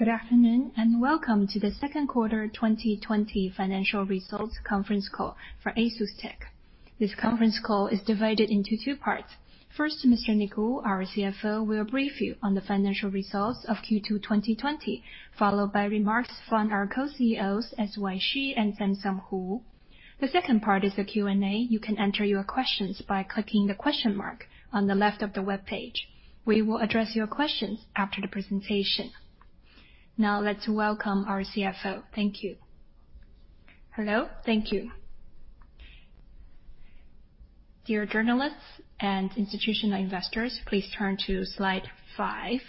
Good afternoon, and welcome to the Second Quarter 2020 financial results conference call for ASUSTeK. This conference call is divided into two parts. First, Mr. Nick Wu, our CFO, will brief you on the financial results of Q2 2020, followed by remarks from our Co-CEOs, S.Y. Hsu and Samson Hu. The second part is a Q&A. You can enter your questions by clicking the question mark on the left of the webpage. We will address your questions after the presentation. Let's welcome our CFO. Thank you. Hello. Thank you. Dear journalists and institutional investors, please turn to slide five.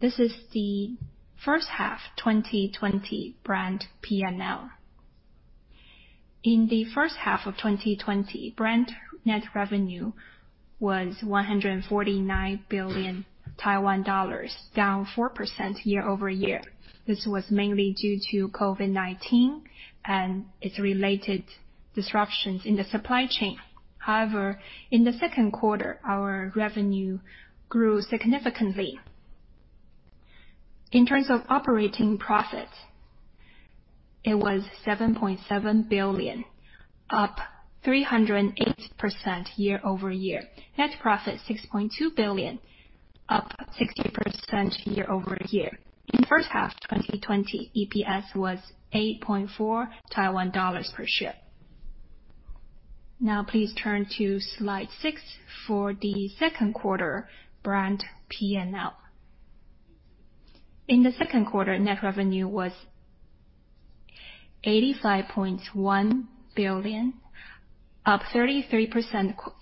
This is the first half 2020 brand P&L. In the first half of 2020, brand net revenue was 149 billion Taiwan dollars, down 4% year-over-year. This was mainly due to COVID-19 and its related disruptions in the supply chain. In the second quarter, our revenue grew significantly. In terms of operating profit, it was 7.7 billion, up 308% year-over-year. Net profit 6.2 billion, up 60% year-over-year. In the first half 2020, EPS was 8.4 Taiwan dollars/share. Please turn to slide six for the second quarter brand P&L. In the second quarter, net revenue was 85.1 billion, up 33%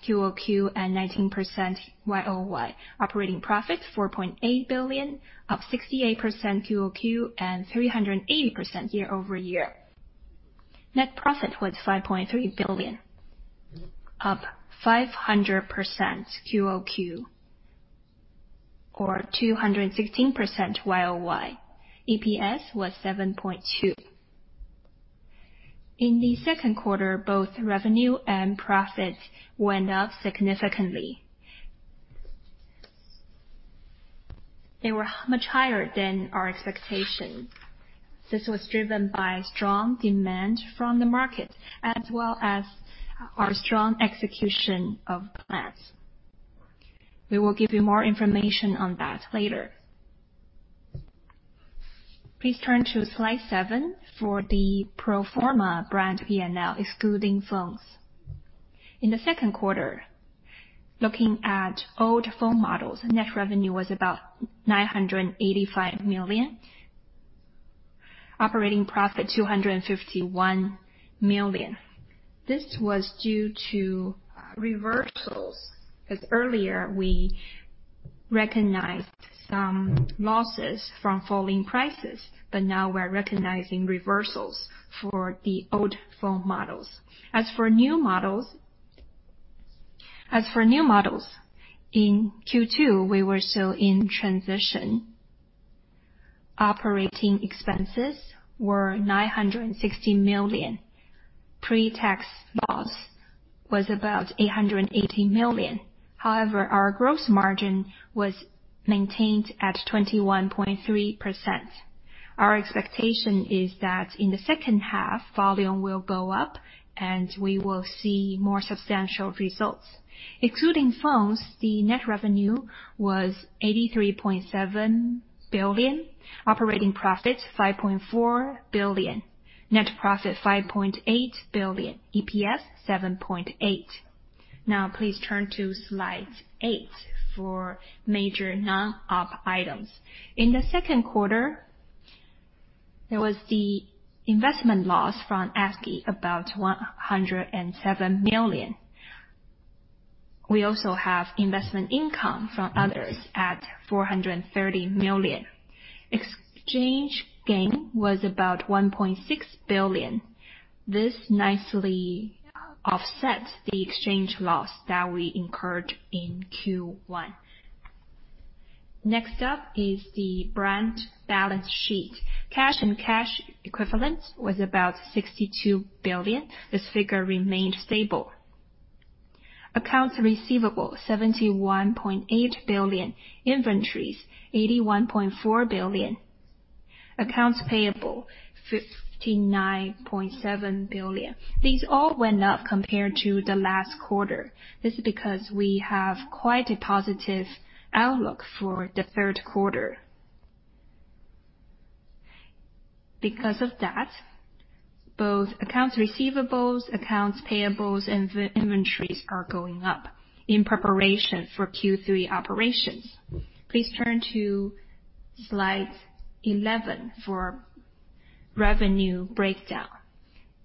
QoQ and 19% YoY. Operating profit 4.8 billion, up 68% QoQ and 380% year-over-year. Net profit was 5.3 billion, up 500% QoQ or 216% YoY. EPS was 7.2. In the second quarter, both revenue and profit went up significantly. They were much higher than our expectation. This was driven by strong demand from the market, as well as our strong execution of plans. We will give you more information on that later. Please turn to slide seven for the pro forma brand P&L, excluding phones. In the second quarter, looking at old phone models, net revenue was about 985 million. Operating profit 251 million. This was due to reversals, because earlier we recognized some losses from falling prices, but now we're recognizing reversals for the old phone models. As for new models, in Q2, we were still in transition. Operating expenses were 960 million. Pre-tax loss was about 880 million. Our gross margin was maintained at 21.3%. Our expectation is that in the second half, volume will go up and we will see more substantial results. Excluding phones, the net revenue was 83.7 billion. Operating profit 5.4 billion. Net profit 5.8 billion. EPS 7.8. Please turn to slide eight for major non-op items. In the second quarter, there was the investment loss from Askey, about 107 million. We also have investment income from others at 430 million. Exchange gain was about 1.6 billion. This nicely offsets the exchange loss that we incurred in Q1. Next up is the brand balance sheet. Cash and cash equivalent was about 62 billion. This figure remained stable. Accounts receivable 71.8 billion. Inventories 81.4 billion. Accounts payable 59.7 billion. These all went up compared to the last quarter. This is because we have quite a positive outlook for the third quarter. Because of that, both accounts receivables, accounts payables, and inventories are going up in preparation for Q3 operations. Please turn to slide 11 for revenue breakdown.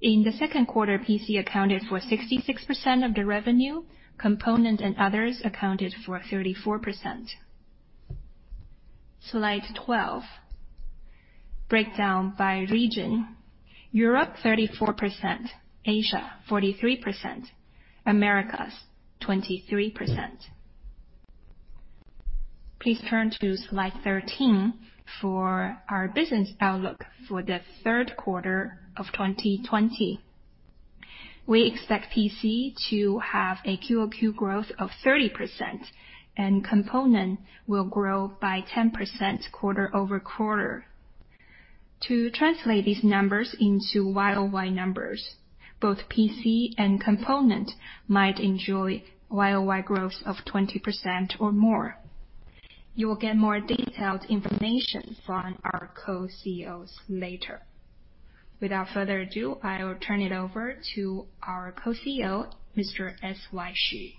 In the second quarter, PC accounted for 66% of the revenue. Component and others accounted for 34%. Slide 12, breakdown by region. Europe 34%, Asia 43%, Americas 23%. Please turn to slide 13 for our business outlook for the third quarter of 2020. We expect PC to have a QoQ growth of 30%, and Component will grow by 10% quarter-over-quarter. To translate these numbers into YoY numbers, both PC and Component might enjoy YoY growth of 20% or more. You will get more detailed information from our Co-CEOs later. Without further ado, I will turn it over to our Co-CEO, Mr. S.Y. Hsu.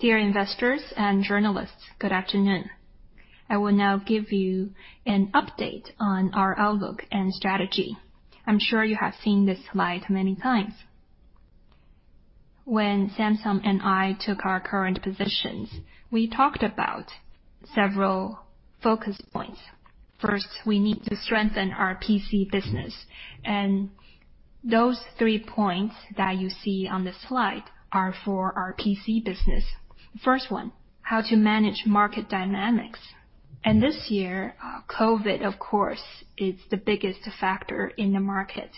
Dear investors and journalists, good afternoon. I will now give you an update on our outlook and strategy. I'm sure you have seen this slide many times. When Samson and I took our current positions, we talked about several focus points. First, we need to strengthen our PC business, those three points that you see on the slide are for our PC business. First one, how to manage market dynamics. This year, COVID-19, of course, is the biggest factor in the market.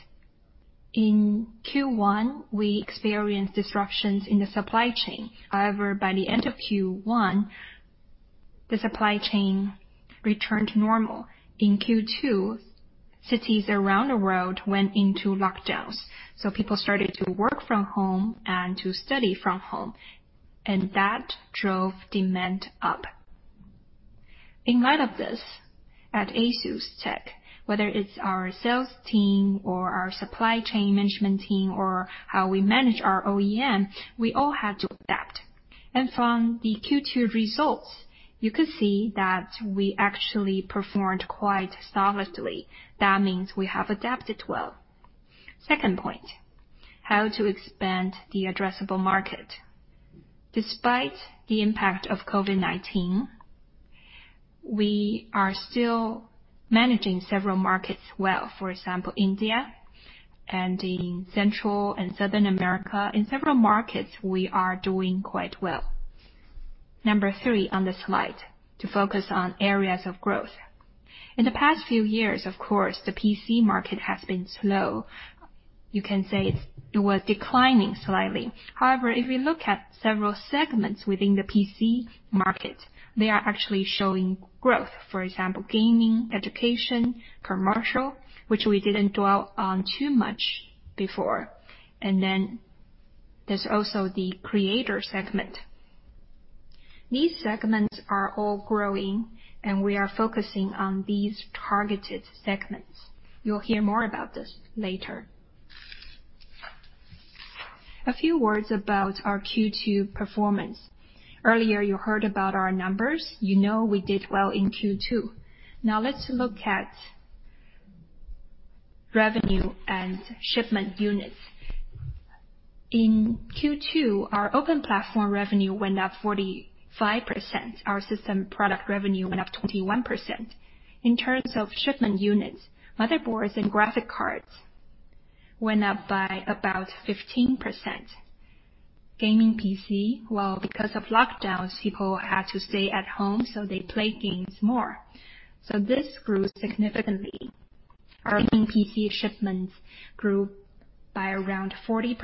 In Q1, we experienced disruptions in the supply chain. However, by the end of Q1, the supply chain returned to normal. In Q2, cities around the world went into lockdowns, so people started to work from home and to study from home, and that drove demand up. In light of this, at ASUSTeK, whether it's our sales team or our supply chain management team or how we manage our OEM, we all had to adapt. From the Q2 results, you could see that we actually performed quite solidly. That means we have adapted well. Second point, how to expand the addressable market. Despite the impact of COVID-19, we are still managing several markets well. For example, India and in Central and Southern America. In several markets, we are doing quite well. Number three on the slide, to focus on areas of growth. In the past few years, of course, the PC market has been slow. You can say it was declining slightly. If we look at several segments within the PC market, they are actually showing growth. For example, Gaming, Education, Commercial, which we didn't dwell on too much before. There's also the Creator segment. These segments are all growing, we are focusing on these targeted segments. You'll hear more about this later. A few words about our Q2 performance. Earlier, you heard about our numbers. You know we did well in Q2. Let's look at revenue and shipment units. In Q2, our Open Platform revenue went up 45%. Our system product revenue went up 21%. In terms of shipment units, motherboards and graphics cards went up by about 15%. Gaming PC, well, because of lockdowns, people had to stay at home, they played games more. This grew significantly. Our Gaming PC shipments grew by around 40%.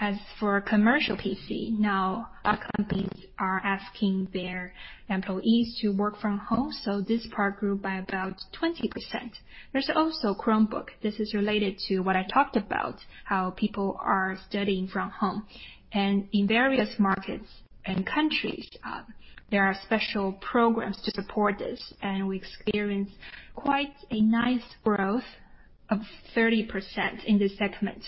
As for Commercial PC, now a lot companies are asking their employees to work from home, so this part grew by about 20%. There's also Chromebook. This is related to what I talked about, how people are studying from home. In various markets and countries, there are special programs to support this, and we experienced quite a nice growth of 30% in this segment.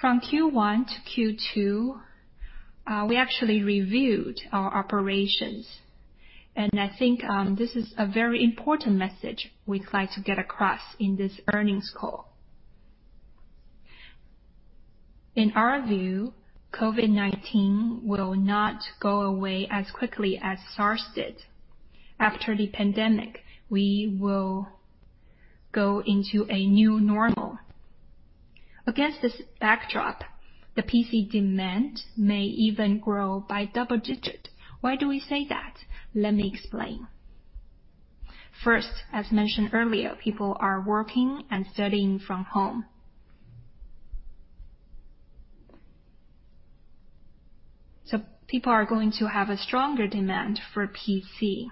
From Q1-Q2, we actually reviewed our operations, and I think this is a very important message we'd like to get across in this earnings call. In our view, COVID-19 will not go away as quickly as SARS did. After the pandemic, we will go into a new normal. Against this backdrop, the PC demand may even grow by double digit. Why do we say that? Let me explain. First, as mentioned earlier, people are working and studying from home. People are going to have a stronger demand for a PC.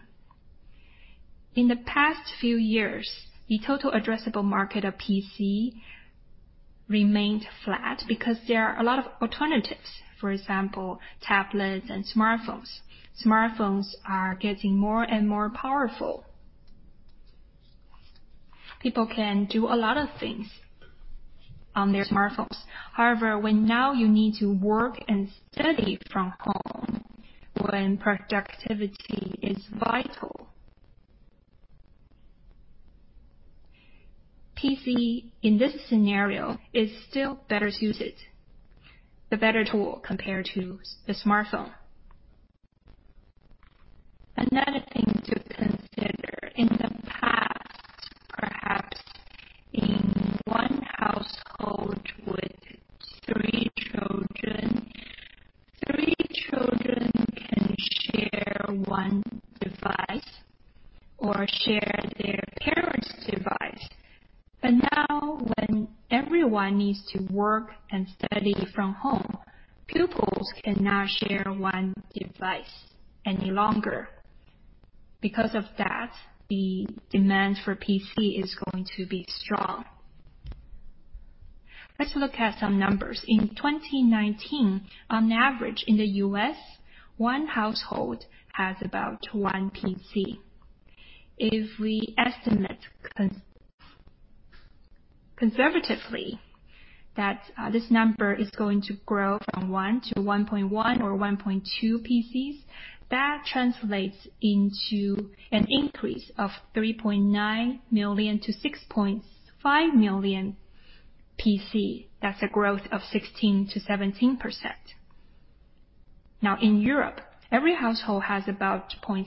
In the past few years, the total addressable market of PC remained flat because there are a lot of alternatives. For example, tablets and smartphones. Smartphones are getting more and more powerful. People can do a lot of things on their smartphones. However, when now you need to work and study from home, when productivity is vital, PC in this scenario is still better suited, the better tool compared to the smartphone. Another thing to consider, in the past, perhaps in one household with three children share one device or share their parent's device. Now when everyone needs to work and study from home, pupils cannot share one device any longer. Because of that, the demand for PC is going to be strong. Let's look at some numbers. In 2019, on average in the U.S., one household has about one PC. If we estimate conservatively that this number is going to grow from one to 1.1 or 1.2 PCs, that translates into an increase of 3.9 million-6.5 million PC. That's a growth of 16%-17%. In Europe, every household has about 0.6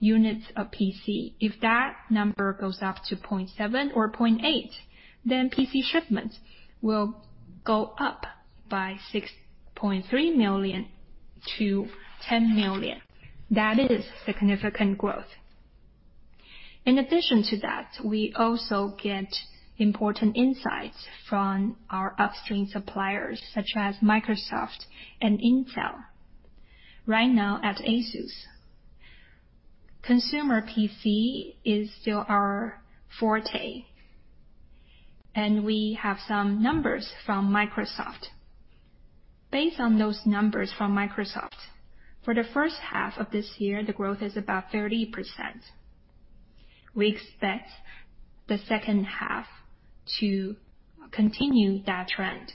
units of PC. If that number goes up to 0.7 or 0.8, PC shipments will go up by 6.3 million-10 million. That is significant growth. In addition to that, we also get important insights from our upstream suppliers, such as Microsoft and Intel. Right now at ASUS, consumer PC is still our forte, and we have some numbers from Microsoft. Based on those numbers from Microsoft, for the first half of this year, the growth is about 30%. We expect the second half to continue that trend.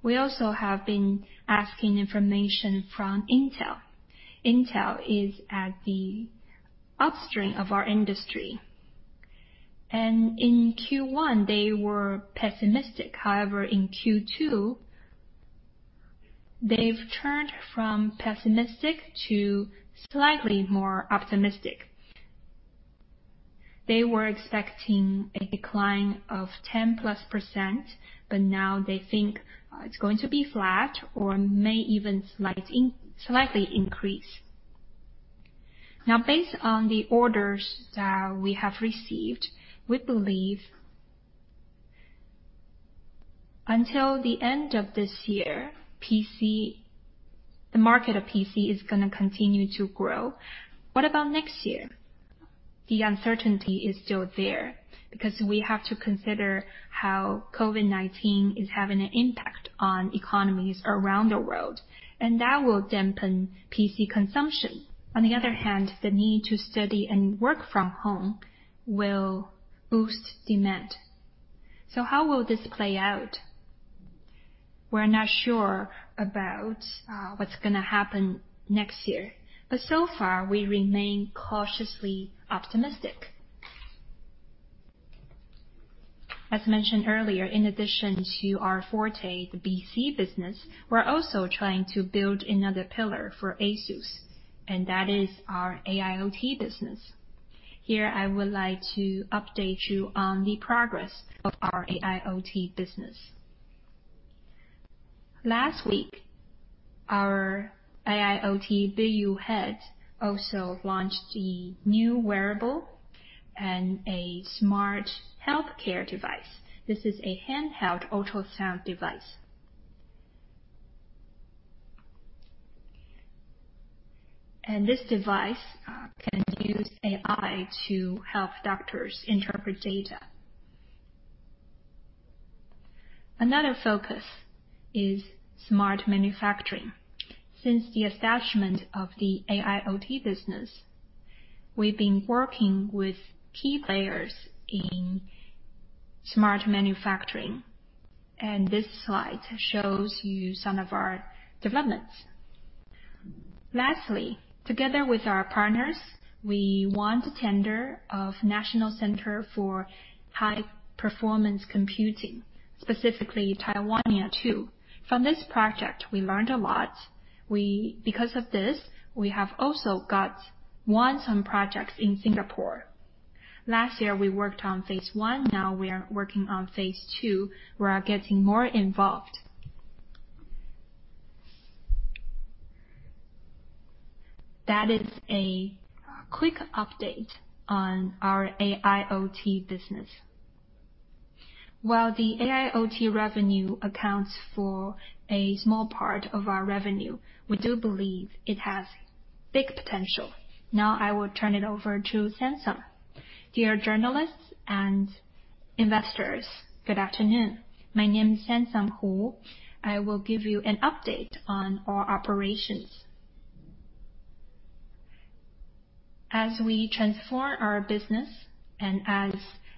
We also have been asking information from Intel. Intel is at the upstream of our industry. In Q1 they were pessimistic. In Q2, they've turned from pessimistic to slightly more optimistic. They were expecting a decline of 10+%. Now they think it's going to be flat or may even slightly increase. Based on the orders that we have received, we believe until the end of this year, the market of PC is going to continue to grow. What about next year? The uncertainty is still there because we have to consider how COVID-19 is having an impact on economies around the world. That will dampen PC consumption. On the other hand, the need to study and work from home will boost demand. How will this play out? We're not sure about what's going to happen next year. So far, we remain cautiously optimistic. As mentioned earlier, in addition to our forte, the PC business, we're also trying to build another pillar for ASUS, that is our AIoT business. Here I would like to update you on the progress of our AIoT business. Last week, our AIoT BU Head also launched the new wearable and a smart healthcare device. This is a handheld ultrasound device. This device can use AI to help doctors interpret data. Another focus is smart manufacturing. Since the establishment of the AIoT business, we've been working with key players in smart manufacturing, and this slide shows you some of our developments. Lastly, together with our partners, we won the tender of National Center for High-Performance Computing, specifically TAIWANIA 2. From this project, we learned a lot. Because of this, we have also won some projects in Singapore. Last year, we worked on Phase 1. Now we are working on Phase 2. We are getting more involved. That is a quick update on our AIoT business. While the AIoT revenue accounts for a small part of our revenue, we do believe it has big potential. Now I will turn it over to Samson. Dear journalists and investors, good afternoon. My name is Samson Hu. I will give you an update on our operations. As we transform our business, and as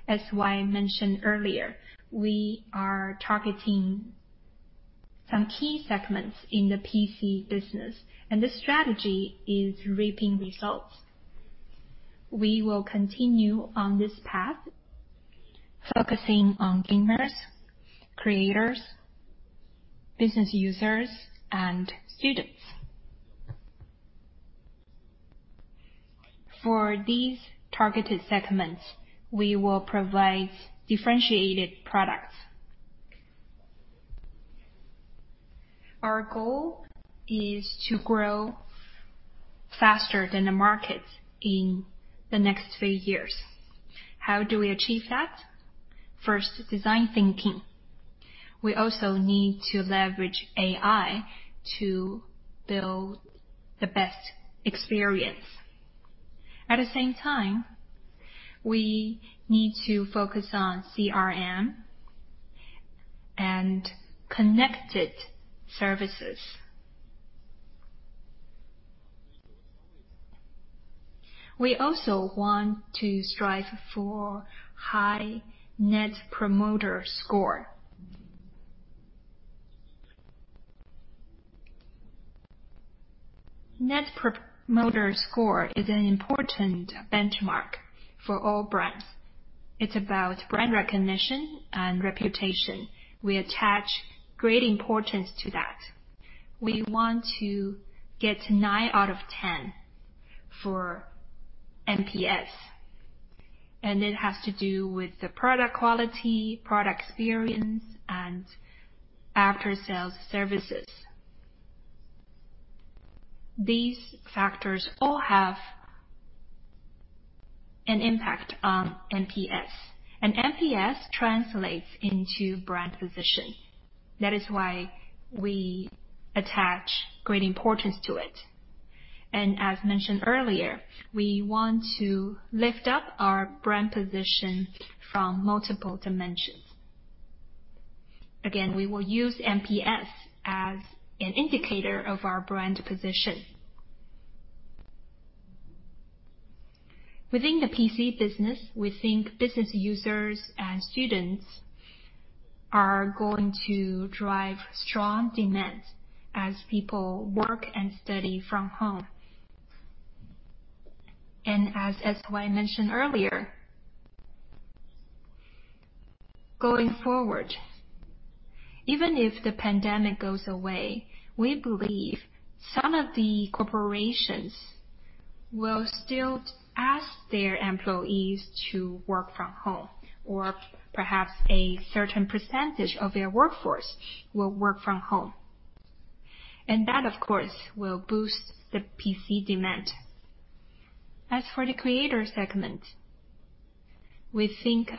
S.Y. mentioned earlier, we are targeting some key segments in the PC business, and this strategy is reaping results. We will continue on this path, focusing on gamers, creators, business users, and students. For these targeted segments, we will provide differentiated products. Our goal is to grow faster than the market in the next three years. How do we achieve that? First, design thinking. We also need to leverage AI to build the best experience. At the same time, we need to focus on CRM and connected services. We also want to strive for high Net Promoter Score. Net Promoter Score is an important benchmark for all brands. It's about brand recognition and reputation. We attach great importance to that. We want to get nine out of 10 for NPS, and it has to do with the product quality, product experience, and after-sales services. These factors all have an impact on NPS, and NPS translates into brand position. That is why we attach great importance to it. As mentioned earlier, we want to lift up our brand position from multiple dimensions. Again, we will use NPS as an indicator of our brand position. Within the PC business, we think business users and students are going to drive strong demand as people work and study from home. As S.Y. mentioned earlier, going forward, even if the pandemic goes away, we believe some of the corporations will still ask their employees to work from home, or perhaps a certain percentage of their workforce will work from home. That, of course, will boost the PC demand. As for the Creator segment, we think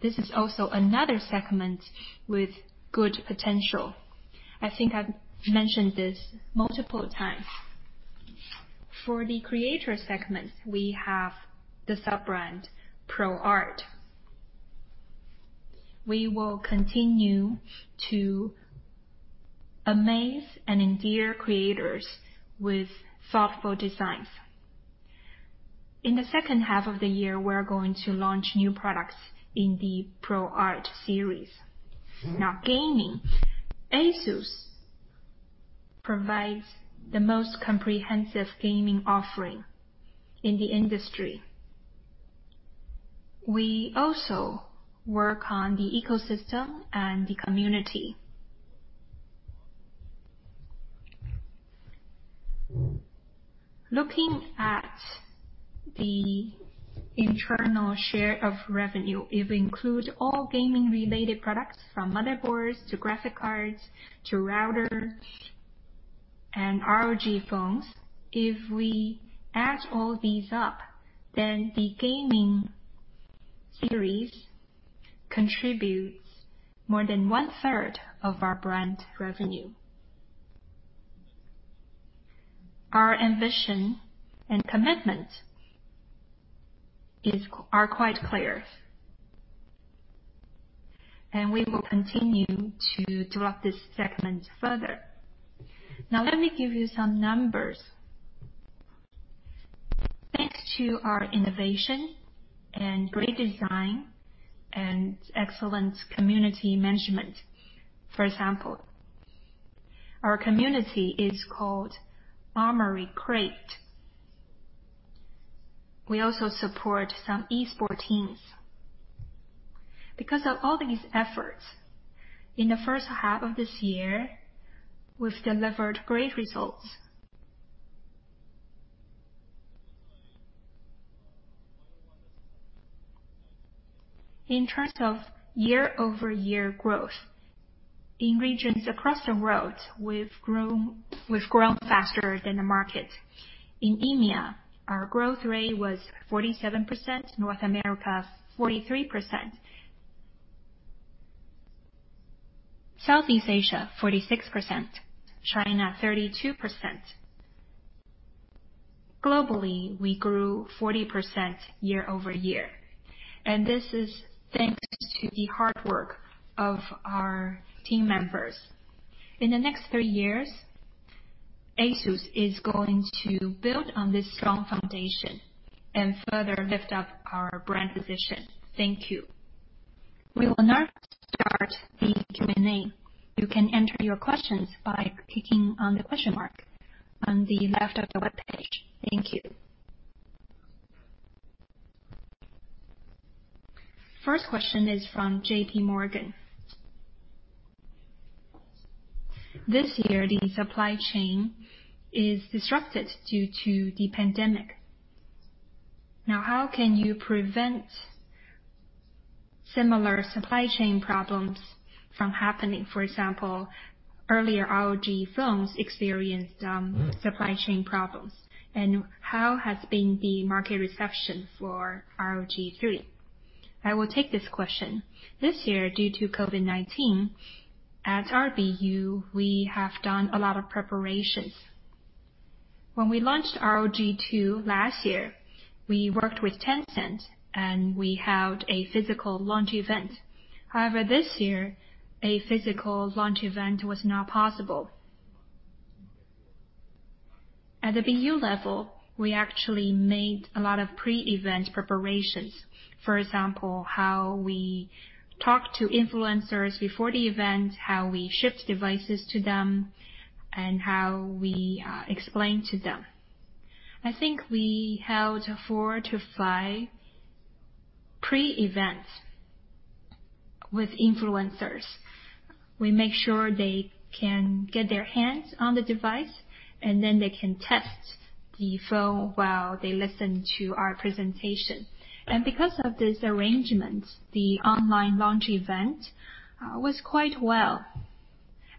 this is also another segment with good potential. I think I've mentioned this multiple times. For the Creator segment, we have the sub-brand ProArt. We will continue to amaze and endear creators with thoughtful designs. In the second half of the year, we're going to launch new products in the ProArt series. Now gaming. ASUS provides the most comprehensive gaming offering in the industry. We also work on the ecosystem and the community. Looking at the internal share of revenue, if we include all gaming-related products, from motherboards to graphic cards to routers and ROG Phones, if we add all these up, then the gaming series contributes more than 1/3 of our brand revenue. Our ambition and commitment are quite clear. We will continue to develop this segment further. Now, let me give you some numbers. Thanks to our innovation and great design and excellent community management. For example, our community is called Armoury Crate. We also support some esports teams. Because of all these efforts, in the first half of this year, we've delivered great results. In terms of year-over-year growth in regions across the world, we've grown faster than the market. In EMEA, our growth rate was 47%, North America, 43%, Southeast Asia, 46%, China, 32%. Globally, we grew 40% year-over-year, and this is thanks to the hard work of our team members. In the next three years, ASUS is going to build on this strong foundation and further lift up our brand position. Thank you. We will now start the Q&A. You can enter your questions by clicking on the question mark on the left of the webpage. Thank you. First question is from JPMorgan. This year, the supply chain is disrupted due to the pandemic. Now, how can you prevent similar supply chain problems from happening? For example, earlier ROG Phones experienced supply chain problems. How has been the market reception for ROG III? I will take this question. This year, due to COVID-19, at our BU, we have done a lot of preparations. When we launched ROG II last year, we worked with Tencent, and we held a physical launch event. However, this year, a physical launch event was not possible. At the BU level, we actually made a lot of pre-event preparations. For example, how we talk to influencers before the event, how we ship devices to them, and how we explain to them. I think we held four to five pre-events with influencers. We make sure they can get their hands on the device, and then they can test the phone while they listen to our presentation. Because of this arrangement, the online launch event was quite well.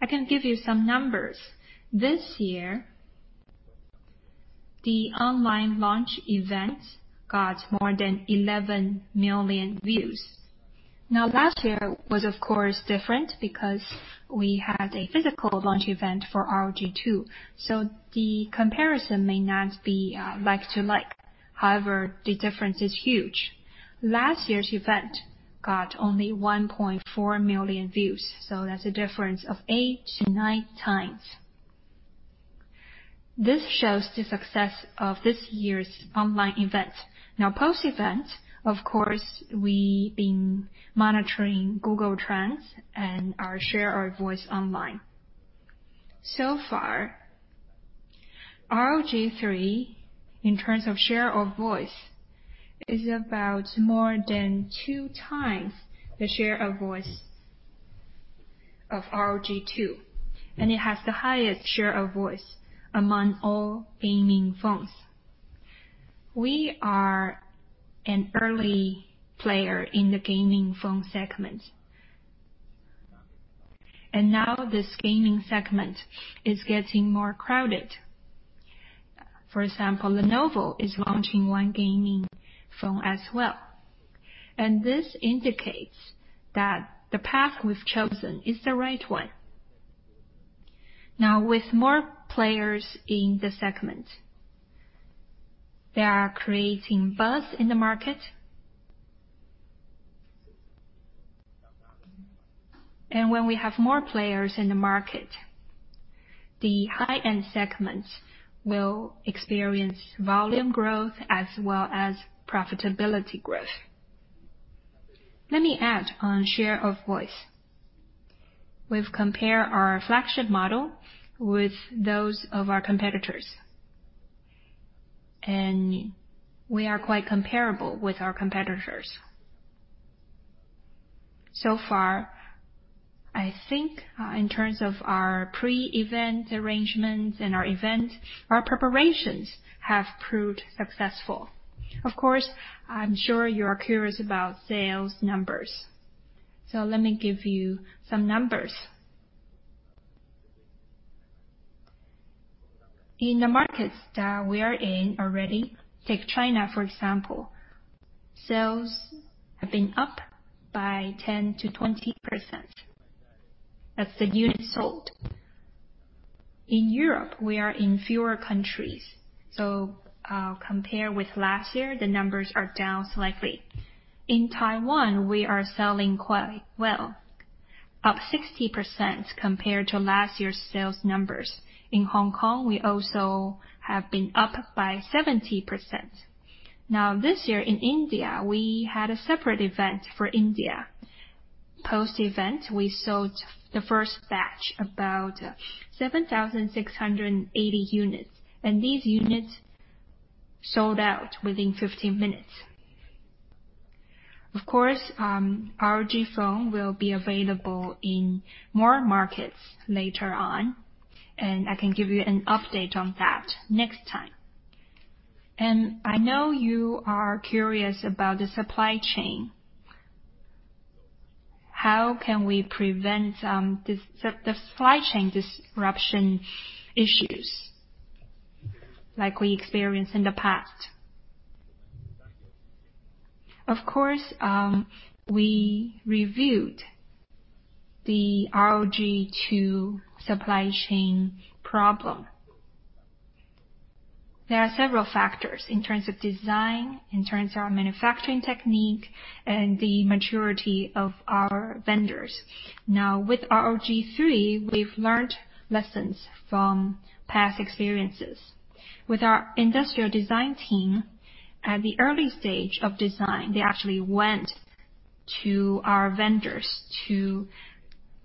I can give you some numbers. This year, the online launch event got more than 11 million views. Last year was of course different because we had a physical launch event for ROG II. The comparison may not be like to like. However, the difference is huge. Last year's event got only 1.4 million views, so that's a difference of 8x-9x. This shows the success of this year's online event. Now, post-event, of course, we've been monitoring Google Trends and our share of voice online. So far, ROG III, in terms of share of voice, is about more than 2x the share of voice of ROG II, and it has the highest share of voice among all gaming phones. We are an early player in the gaming phone segment. Now this gaming segment is getting more crowded. For example, Lenovo is launching one gaming phone as well. This indicates that the path we've chosen is the right one. Now with more players in the segment, they are creating buzz in the market. When we have more players in the market, the high-end segments will experience volume growth as well as profitability growth. Let me add on share of voice. We've compared our flagship model with those of our competitors, and we are quite comparable with our competitors. Far, I think in terms of our pre-event arrangements and our event, our preparations have proved successful. Of course, I'm sure you are curious about sales numbers. Let me give you some numbers. In the markets that we are in already, take China for example, sales have been up by 10%-20%. That's the units sold. In Europe, we are in fewer countries, so compare with last year, the numbers are down slightly. In Taiwan, we are selling quite well, up 60% compared to last year's sales numbers. In Hong Kong, we also have been up by 70%. This year in India, we had a separate event for India. Post-event, we sold the first batch, about 7,680 units. These units sold out within 15 minutes. Of course, ROG Phone will be available in more markets later on. I can give you an update on that next time. I know you are curious about the supply chain. How can we prevent the supply chain disruption issues like we experienced in the past? Of course, we reviewed the ROG II supply chain problem. There are several factors in terms of design, in terms of manufacturing technique, and the maturity of our vendors. With ROG III, we've learned lessons from past experiences. With our industrial design team, at the early stage of design, they actually went to our vendors to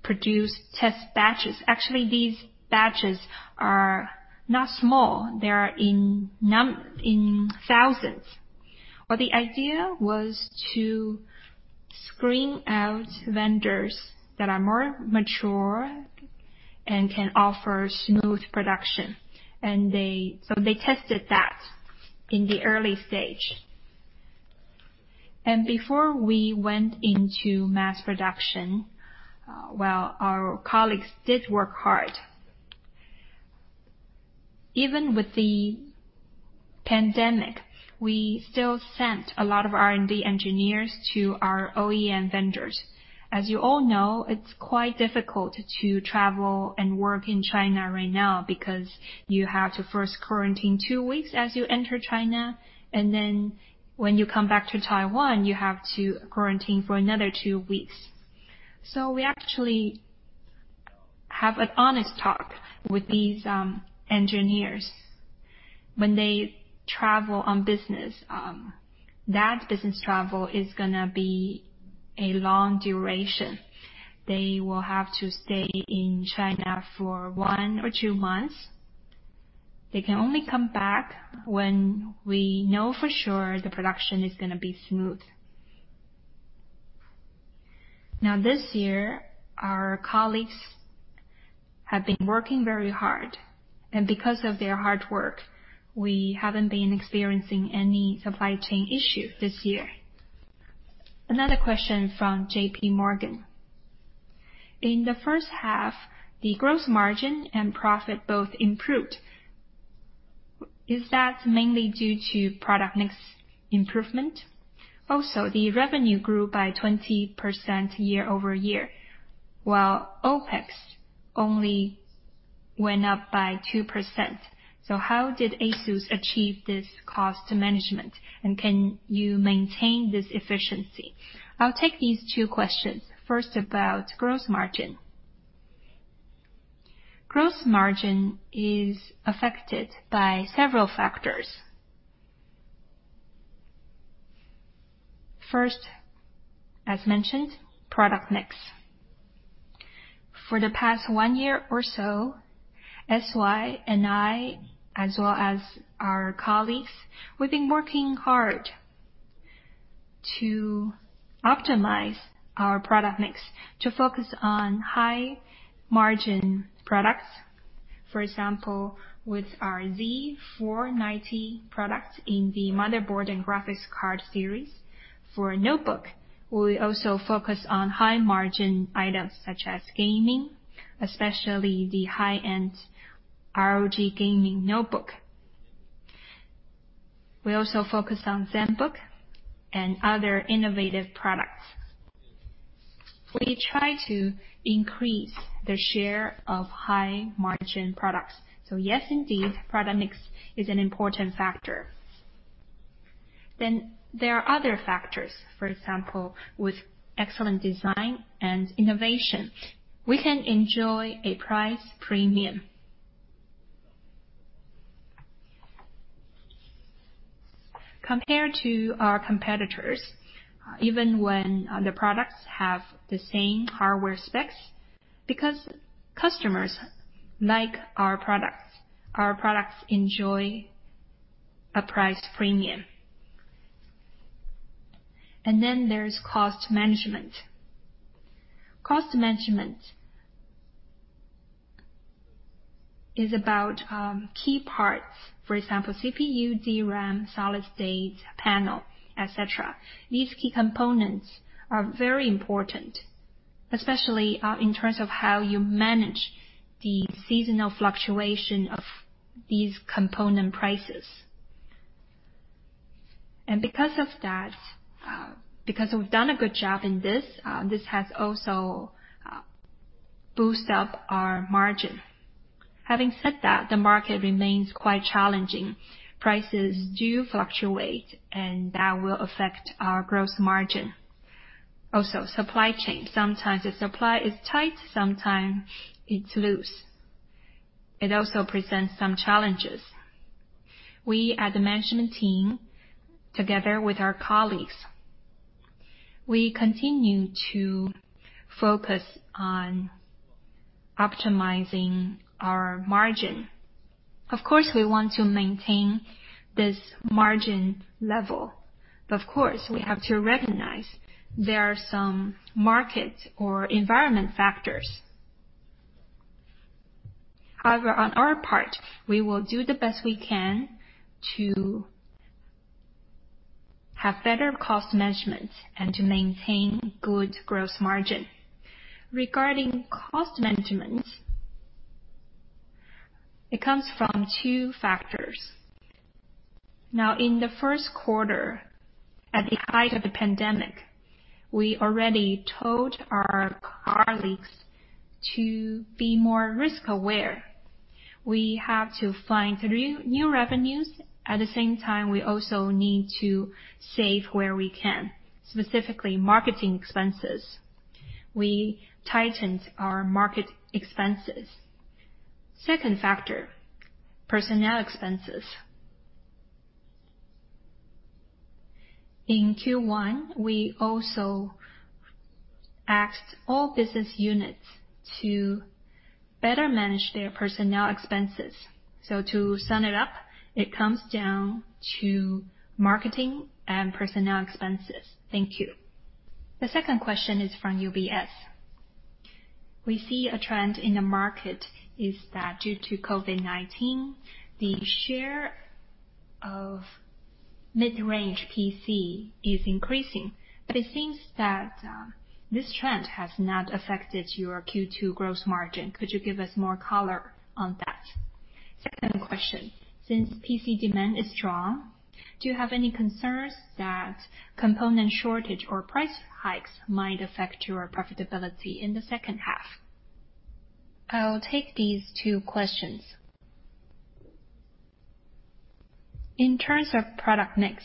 produce test batches. Actually, these batches are not small. They are in thousands. The idea was to screen out vendors that are more mature and can offer smooth production. They tested that in the early stage. Before we went into mass production, well, our colleagues did work hard. Even with the pandemic, we still sent a lot of R&D engineers to our OEM vendors. As you all know, it's quite difficult to travel and work in China right now because you have to first quarantine two weeks as you enter China, and then when you come back to Taiwan, you have to quarantine for another two weeks. We actually have an honest talk with these engineers when they travel on business. That business travel is going to be a long duration. They will have to stay in China for one or two months. They can only come back when we know for sure the production is going to be smooth. This year, our colleagues have been working very hard. Because of their hard work, we haven't been experiencing any supply chain issue this year. Another question from JPMorgan. In the first half, the gross margin and profit both improved. Is that mainly due to product mix improvement? The revenue grew by 20% year-over-year, while OpEx only went up by 2%. How did ASUS achieve this cost management, and can you maintain this efficiency? I'll take these two questions. About gross margin. Gross margin is affected by several factors. As mentioned, product mix. For the past one year or so, S.Y. and I, as well as our colleagues, we've been working hard to optimize our product mix to focus on high-margin products. With our Z490 products in the motherboard and graphics card series. For notebook, we also focus on high-margin items such as gaming, especially the high-end ROG gaming notebook. We also focus on Zenbook and other innovative products. We try to increase the share of high-margin products. Yes, indeed, product mix is an important factor. There are other factors. With excellent design and innovation, we can enjoy a price premium. Compared to our competitors, even when the products have the same hardware specs, because customers like our products, our products enjoy a price premium. There's cost management. Cost management is about key parts. CPU, DRAM, solid state, panel, et cetera. These key components are very important, especially in terms of how you manage the seasonal fluctuation of these component prices. Because we've done a good job in this has also boost up our margin. Having said that, the market remains quite challenging. Prices do fluctuate, that will affect our gross margin. Supply chain. Sometimes the supply is tight, sometimes it's loose. It also presents some challenges. We at the management team, together with our colleagues, we continue to focus on optimizing our margin. Of course, we want to maintain this margin level. Of course, we have to recognize there are some market or environment factors. However, on our part, we will do the best we can to have better cost management and to maintain good gross margin. Regarding cost management, it comes from two factors. In the first quarter, at the height of the pandemic, we already told our colleagues to be more risk-aware. We have to find new revenues. At the same time, we also need to save where we can, specifically marketing expenses. We tightened our marketing expenses. Second factor, personnel expenses. In Q1, we also asked all business units to better manage their personnel expenses. To sum it up, it comes down to marketing and personnel expenses. Thank you. The second question is from UBS. We see a trend in the market is that due to COVID-19, the share of mid-range PC is increasing, but it seems that this trend has not affected your Q2 growth margin. Could you give us more color on that? Second question. PC demand is strong, do you have any concerns that component shortage or price hikes might affect your profitability in the second half? I'll take these two questions. In terms of product mix,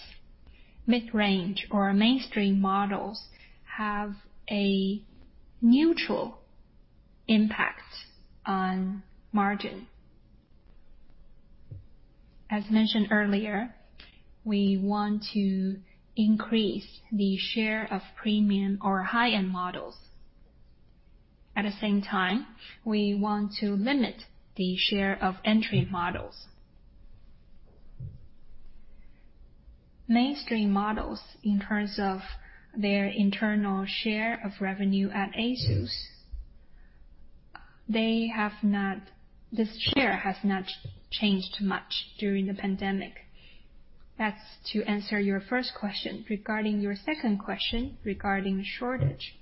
mid-range or mainstream models have a neutral impact on margin. As mentioned earlier, we want to increase the share of premium or high-end models. At the same time, we want to limit the share of entry models. Mainstream models, in terms of their internal share of revenue at ASUS, this share has not changed much during the pandemic. That's to answer your first question. Regarding your second question regarding shortage,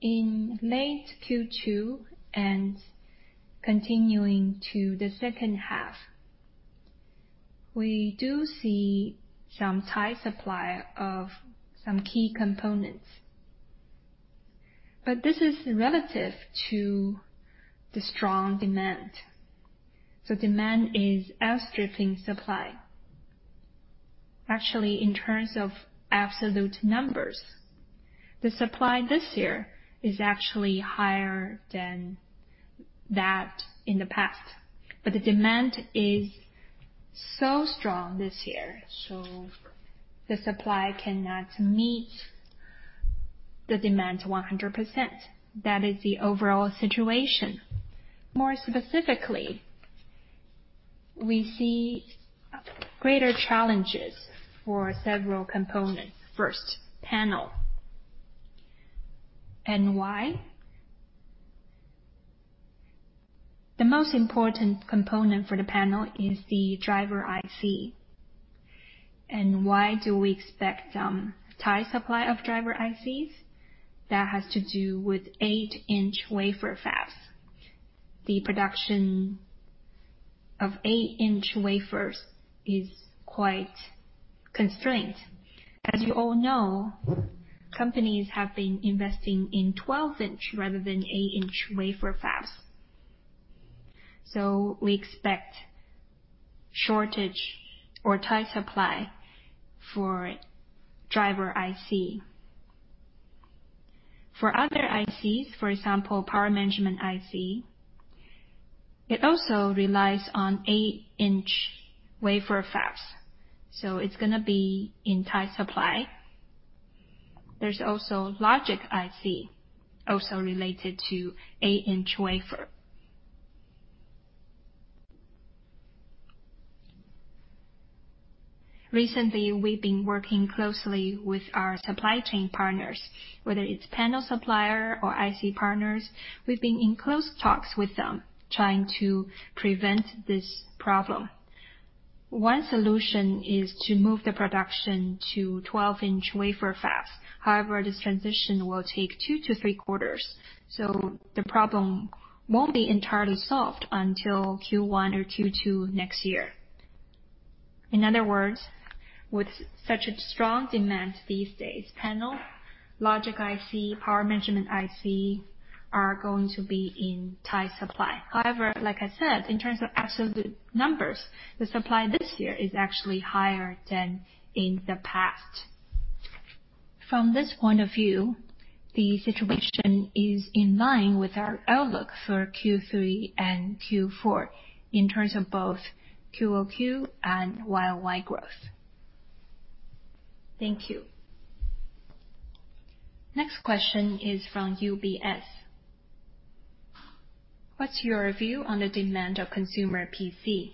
in late Q2 and continuing to the second half, we do see some tight supply of some key components. This is relative to the strong demand. Demand is outstripping supply. Actually, in terms of absolute numbers, the supply this year is actually higher than that in the past. The demand is so strong this year, the supply cannot meet the demand 100%. That is the overall situation. More specifically, we see greater challenges for several components. First, panel. Why? The most important component for the panel is the driver IC. Why do we expect tight supply of driver ICs? That has to do with 8 in wafer fabs. The production of 8 in wafers is quite constrained. As you all know, companies have been investing in 12 in rather than 8 in wafer fabs. We expect shortage or tight supply for driver IC. For other ICs, for example, power management IC, it also relies on 8 in wafer fabs. It's going to be in tight supply. There's also logic IC, also related to 8 in wafer. Recently, we've been working closely with our supply chain partners, whether it's panel supplier or IC partners. We've been in close talks with them, trying to prevent this problem. One solution is to move the production to 12 in wafer fabs. This transition will take two to three quarters, so the problem won't be entirely solved until Q1 or Q2 next year. In other words, with such a strong demand these days, panel, logic IC, power management IC, are going to be in tight supply. Like I said, in terms of absolute numbers, the supply this year is actually higher than in the past. From this point of view, the situation is in line with our outlook for Q3 and Q4 in terms of both QoQ and YoY growth. Thank you. Next question is from UBS. What's your view on the demand of consumer PC?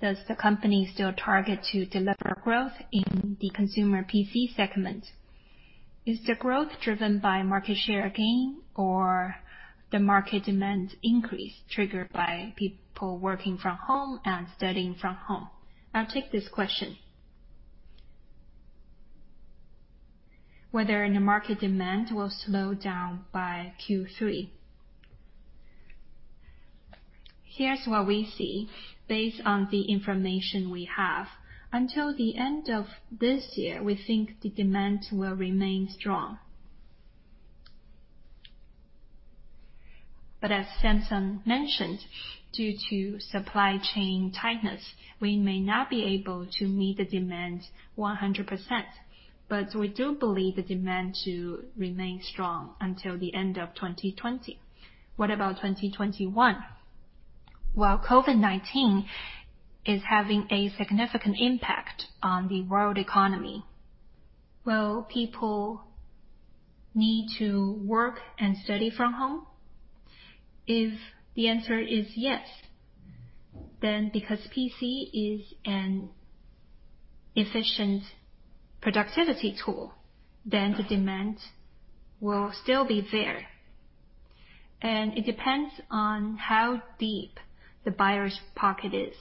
Does the company still target to deliver growth in the consumer PC segment? Is the growth driven by market share gain or the market demand increase triggered by people working from home and studying from home? I'll take this question. Whether the market demand will slow down by Q3. Here's what we see based on the information we have. Until the end of this year, we think the demand will remain strong. As Samson mentioned, due to supply chain tightness, we may not be able to meet the demand 100%. We do believe the demand to remain strong until the end of 2020. What about 2021? Well, COVID-19 is having a significant impact on the world economy. Will people need to work and study from home? If the answer is yes, then because PC is an efficient productivity tool, the demand will still be there. It depends on how deep the buyer's pocket is.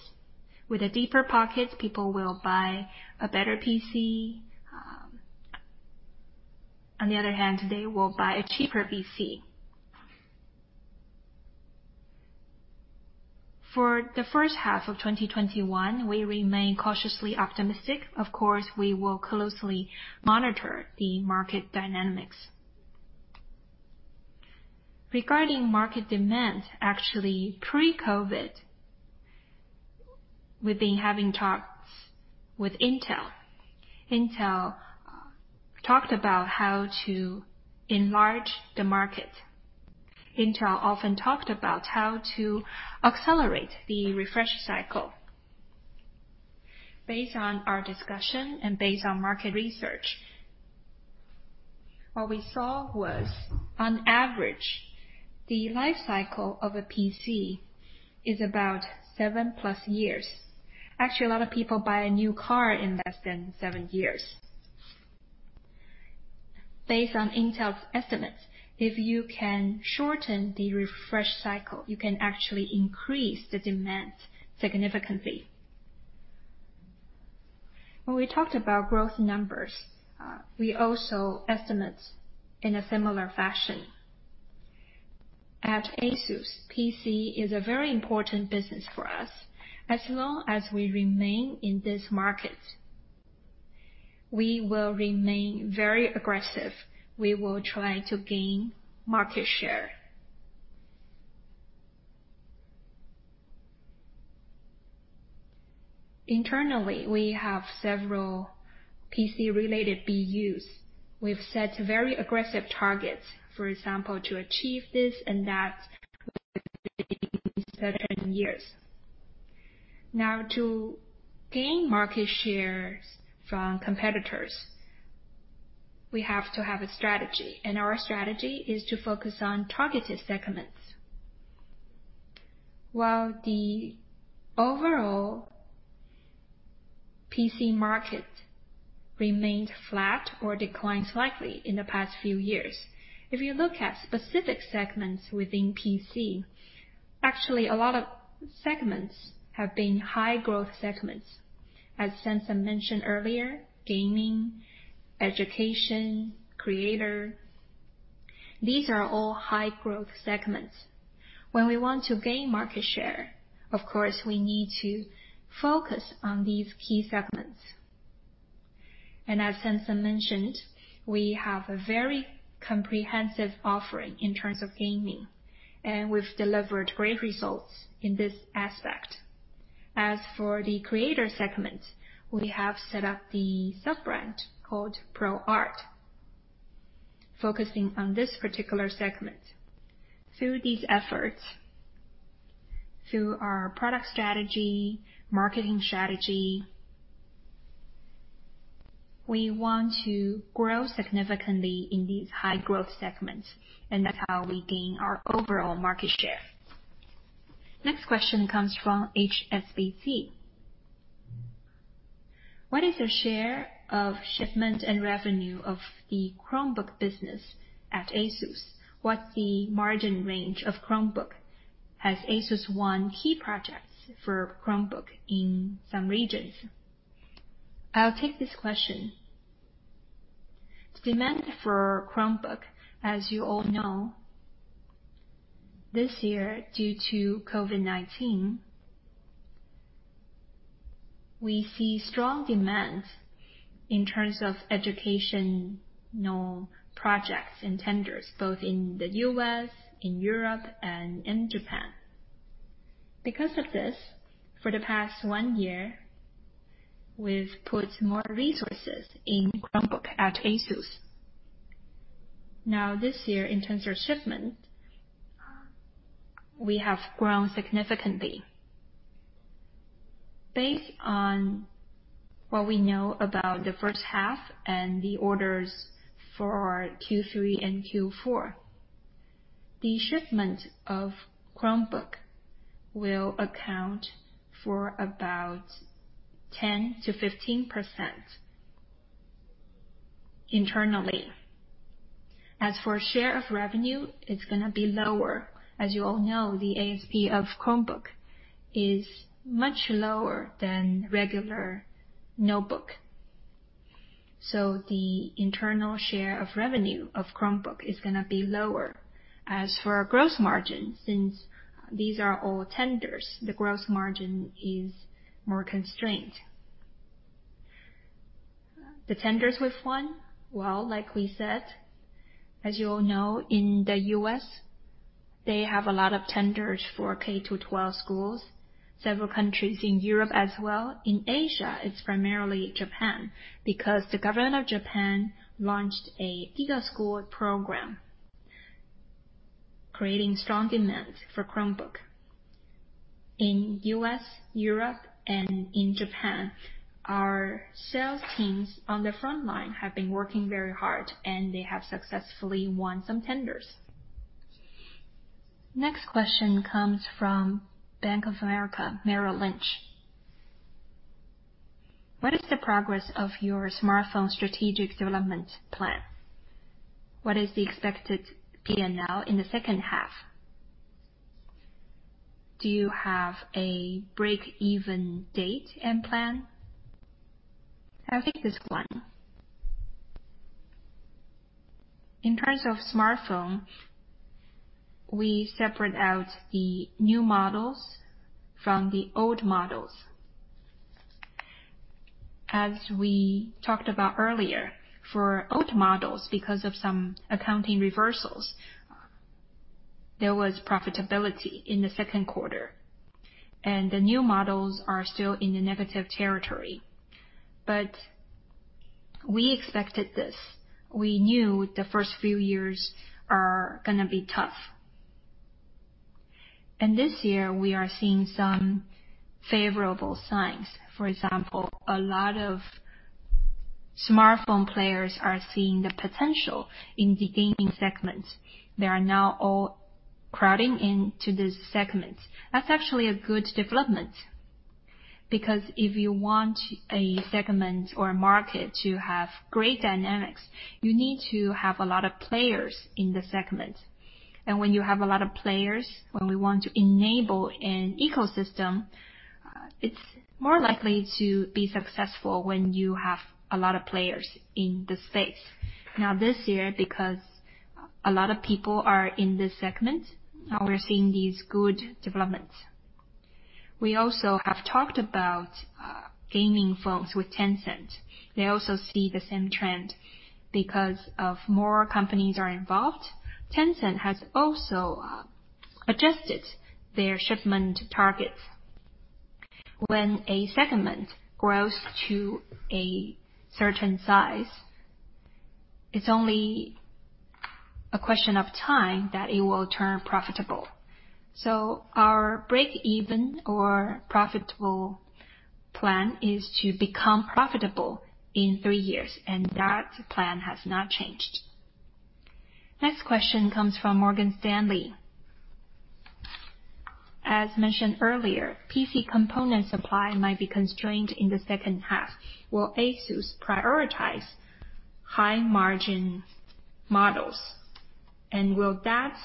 With a deeper pocket, people will buy a better PC. On the other hand, they will buy a cheaper PC. For the first half of 2021, we remain cautiously optimistic. Of course, we will closely monitor the market dynamics. Regarding market demand, actually pre-COVID, we've been having talks with Intel. Intel talked about how to enlarge the market. Intel often talked about how to accelerate the refresh cycle. Based on our discussion and based on market research, what we saw was, on average, the life cycle of a PC is about seven+ years. Actually, a lot of people buy a new car in less than seven years. Based on Intel's estimates, if you can shorten the refresh cycle, you can actually increase the demand significantly. When we talked about growth numbers, we also estimate in a similar fashion. At ASUS, PC is a very important business for us. As long as we remain in this market, we will remain very aggressive. We will try to gain market share. Internally, we have several PC-related BUs. We've set very aggressive targets, for example, to achieve this and that within certain years. To gain market shares from competitors, we have to have a strategy, and our strategy is to focus on targeted segments. While the overall PC market remained flat or declined slightly in the past few years, if you look at specific segments within PC, actually, a lot of segments have been high-growth segments. As Samson mentioned earlier, gaming, education, creator, these are all high-growth segments. When we want to gain market share, of course, we need to focus on these key segments. As Samson mentioned, we have a very comprehensive offering in terms of gaming, and we've delivered great results in this aspect. As for the Creator segment, we have set up the sub-brand called ProArt, focusing on this particular segment. Through these efforts, through our product strategy, marketing strategy, we want to grow significantly in these high-growth segments, and that's how we gain our overall market share. Next question comes from HSBC. What is the share of shipment and revenue of the Chromebook business at ASUS? What's the margin range of Chromebook? Has ASUS won key projects for Chromebook in some regions? I'll take this question. Demand for Chromebook, as you all know, this year, due to COVID-19, we see strong demand in terms of educational projects and tenders, both in the U.S., in Europe, and in Japan. Because of this, for the past one year, we've put more resources in Chromebook at ASUS. Now, this year, in terms of shipment, we have grown significantly. Based on what we know about the first half and the orders for Q3 and Q4, the shipment of Chromebook will account for about 10%-15% internally. As for share of revenue, it's going to be lower. As you all know, the ASP of Chromebook is much lower than regular notebook. The internal share of revenue of Chromebook is going to be lower. As for our gross margin, since these are all tenders, the gross margin is more constrained. The tenders we've won, well, like we said, as you all know, in the U.S., they have a lot of tenders for K-12 schools. Several countries in Europe as well. In Asia, it's primarily Japan, because the government of Japan launched a GIGA School Program, creating strong demand for Chromebook. In U.S., Europe, and in Japan, our sales teams on the front line have been working very hard. They have successfully won some tenders. Next question comes from Bank of America Merrill Lynch. What is the progress of your smartphone strategic development plan? What is the expected P&L in the second half? Do you have a break-even date and plan? I'll take this one. In terms of smartphone, we separate out the new models from the old models. As we talked about earlier, for old models, because of some accounting reversals, there was profitability in the second quarter. The new models are still in the negative territory. We expected this. We knew the first few years are going to be tough. This year, we are seeing some favorable signs. For example, a lot of smartphone players are seeing the potential in the gaming segment. They are now all crowding into this segment. That's actually a good development, because if you want a segment or a market to have great dynamics, you need to have a lot of players in the segment. When you have a lot of players, when we want to enable an ecosystem, it's more likely to be successful when you have a lot of players in the space. This year, because a lot of people are in this segment, we're seeing these good developments. We also have talked about gaming phones with Tencent. They also see the same trend. Because of more companies are involved, Tencent has also adjusted their shipment targets. When a segment grows to a certain size, it's only a question of time that it will turn profitable. Our break-even or profitable plan is to become profitable in three years, and that plan has not changed. Next question comes from Morgan Stanley. As mentioned earlier, PC component supply might be constrained in the second half. Will ASUS prioritize high-margin models? Will that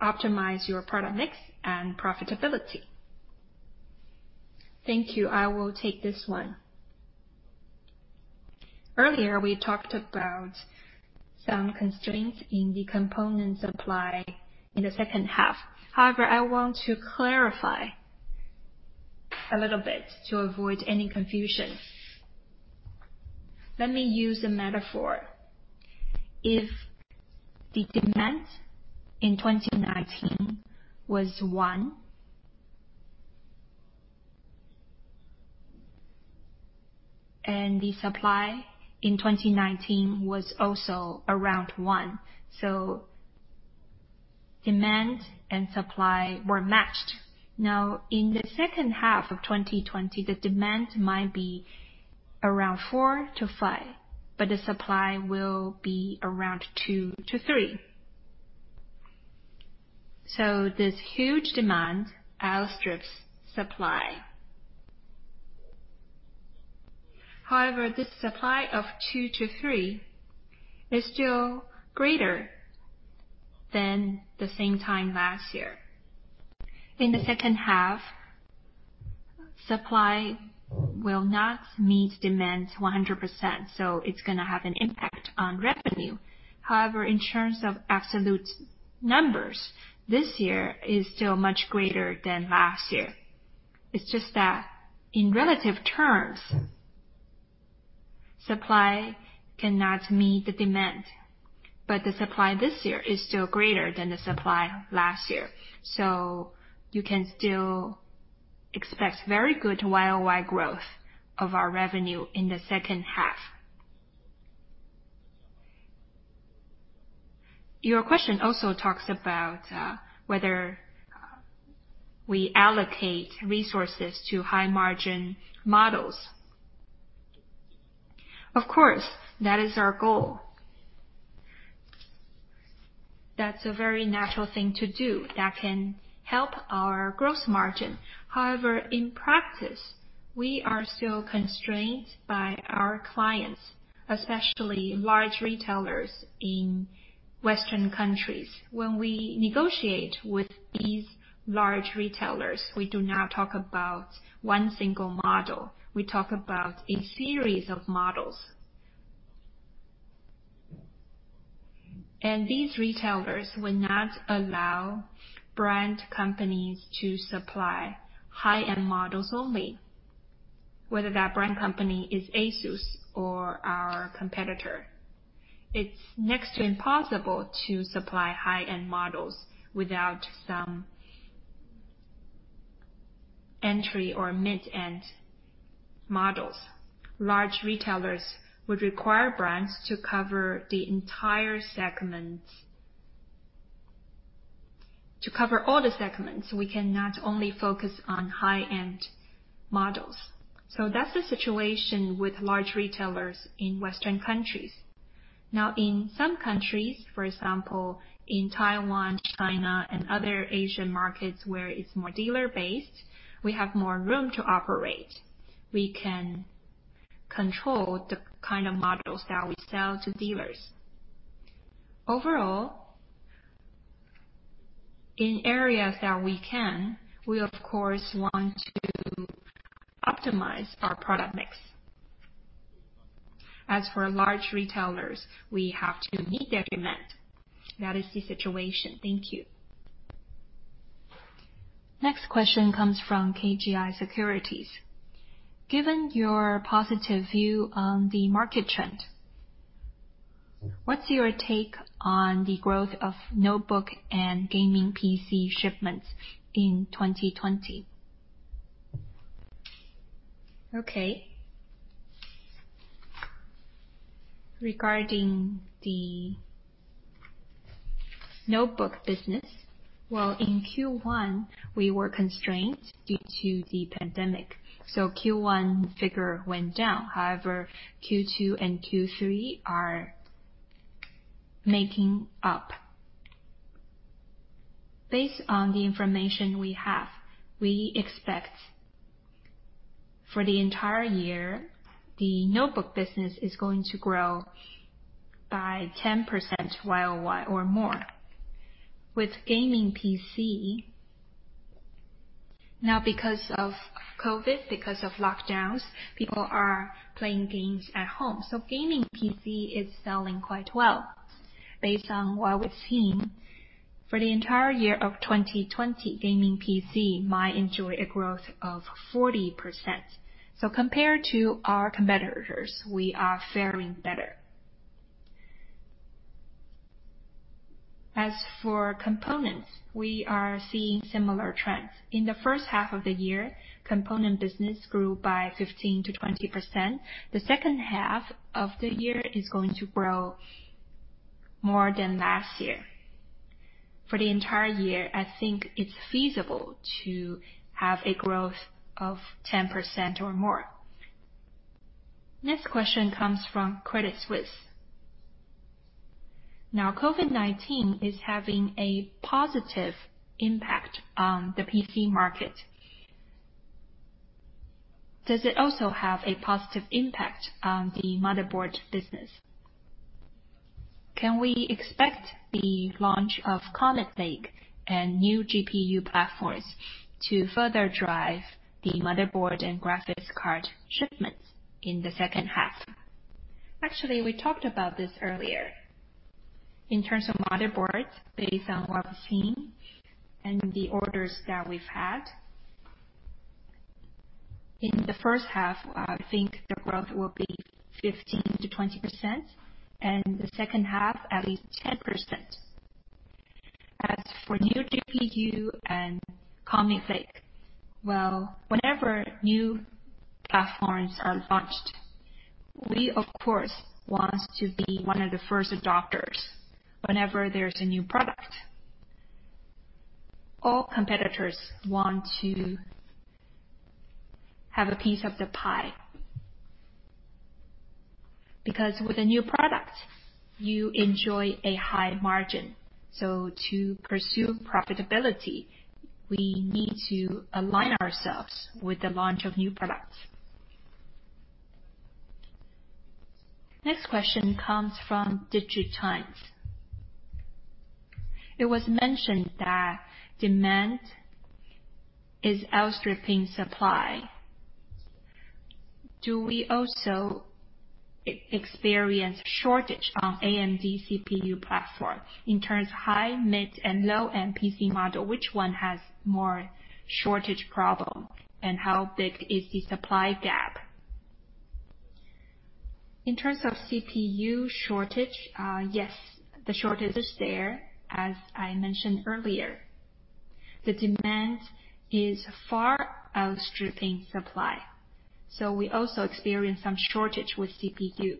optimize your product mix and profitability? Thank you. I will take this one. Earlier, we talked about some constraints in the component supply in the second half. However, I want to clarify a little bit to avoid any confusion. Let me use a metaphor. If the demand in 2019 was one, and the supply in 2019 was also around one, so demand and supply were matched. Now in the second half of 2020, the demand might be around four to five, but the supply will be around two to three. This huge demand outstrips supply. However, this supply of two to three is still greater than the same time last year. In the second half, supply will not meet demand 100%, so it's going to have an impact on revenue. However, in terms of absolute numbers, this year is still much greater than last year. It's just that in relative terms, supply cannot meet the demand. The supply this year is still greater than the supply last year. You can still expect very good YoY growth of our revenue in the second half. Your question also talks about whether we allocate resources to high-margin models. Of course, that is our goal. That's a very natural thing to do that can help our gross margin. However, in practice, we are still constrained by our clients, especially large retailers in Western countries. When we negotiate with these large retailers, we do not talk about one single model. We talk about a series of models. These retailers will not allow brand companies to supply high-end models only. Whether that brand company is ASUS or our competitor, it's next to impossible to supply high-end models without some entry or mid-end models. Large retailers would require brands to cover the entire segments. To cover all the segments, we cannot only focus on high-end models. That's the situation with large retailers in Western countries. In some countries, for example, in Taiwan, China, and other Asian markets where it's more dealer-based, we have more room to operate. We can control the kind of models that we sell to dealers. In areas that we can, we of course, want to optimize our product mix. As for large retailers, we have to meet their demand. That is the situation. Thank you. Next question comes from KGI Securities. Given your positive view on the market trend, what's your take on the growth of notebook and gaming PC shipments in 2020? Okay. Regarding the notebook business, well, in Q1, we were constrained due to the pandemic, so Q1 figure went down. However, Q2 and Q3 are making up. Based on the information we have, we expect for the entire year, the notebook business is going to grow by 10% YoY or more. With gaming PC, now, because of COVID, because of lockdowns, people are playing games at home, so gaming PC is selling quite well. Based on what we've seen, for the entire year of 2020, gaming PC might enjoy a growth of 40%. Compared to our competitors, we are faring better. As for components, we are seeing similar trends. In the first half of the year, component business grew by 15%-20%. The second half of the year is going to grow more than last year. For the entire year, I think it's feasible to have a growth of 10% or more. Next question comes from Credit Suisse. COVID-19 is having a positive impact on the PC market. Does it also have a positive impact on the motherboard business? Can we expect the launch of Comet Lake and new GPU platforms to further drive the motherboard and graphics card shipments in the second half? Actually, we talked about this earlier. In terms of motherboards, based on what we've seen and the orders that we've had, in the first half, I think the growth will be 15%-20%, and the second half, at least 10%. As for new GPU and Comet Lake, well, whenever new platforms are launched, we of course want to be one of the first adopters. Whenever there's a new product, all competitors want to have a piece of the pie, because with a new product, you enjoy a high margin. To pursue profitability, we need to align ourselves with the launch of new products. Next question comes from DIGITIMES. It was mentioned that demand is outstripping supply. Do we also experience shortage on AMD CPU platform? In terms of high, mid, and low-end PC model, which one has more shortage problem, and how big is the supply gap? In terms of CPU shortage, yes, the shortage is there. As I mentioned earlier, the demand is far outstripping supply. We also experience some shortage with CPU.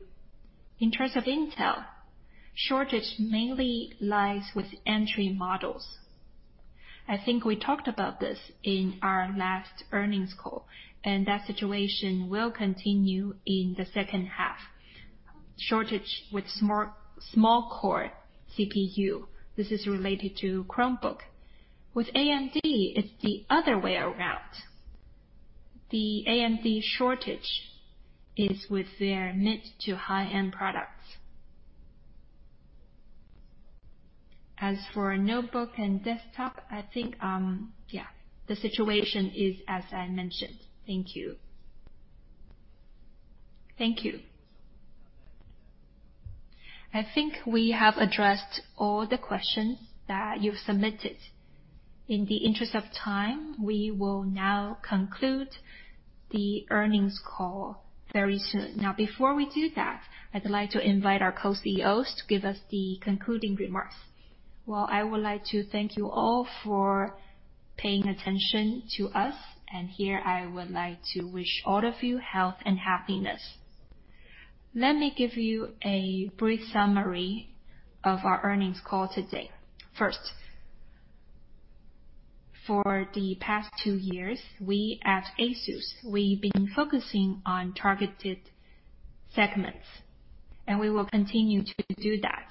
In terms of Intel, shortage mainly lies with entry models. I think we talked about this in our last earnings call, and that situation will continue in the second half. Shortage with small-core CPU. This is related to Chromebook. With AMD, it's the other way around. The AMD shortage is with their mid to high-end products. As for notebook and desktop, I think, the situation is as I mentioned. Thank you. Thank you. I think we have addressed all the questions that you've submitted. In the interest of time, we will now conclude the earnings call very soon. Before we do that, I'd like to invite our Co-CEOs to give us the concluding remarks. Well, I would like to thank you all for paying attention to us, and here I would like to wish all of you health and happiness. Let me give you a brief summary of our earnings call today. First, for the past two years, we at ASUS, we've been focusing on targeted segments, and we will continue to do that.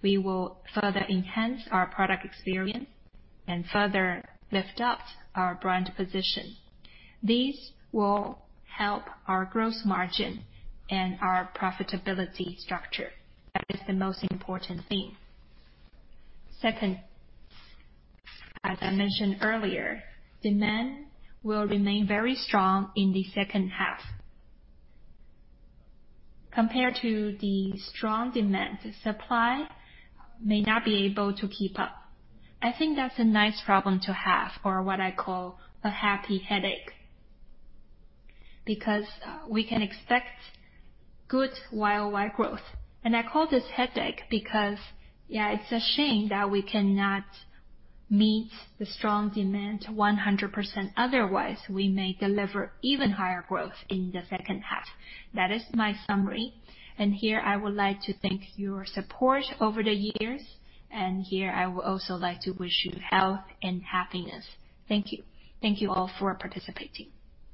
We will further enhance our product experience and further lift up our brand position. These will help our gross margin and our profitability structure. That is the most important thing. Second, as I mentioned earlier, demand will remain very strong in the second half. Compared to the strong demand, supply may not be able to keep up. I think that's a nice problem to have, or what I call a happy headache, because we can expect good YoY growth. I call this headache because it's a shame that we cannot meet the strong demand 100%. Otherwise, we may deliver even higher growth in the second half. That is my summary, and here I would like to thank your support over the years, and here I would also like to wish you health and happiness. Thank you. Thank you all for participating.